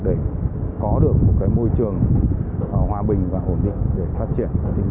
để có được một môi trường hòa bình và ổn định để phát triển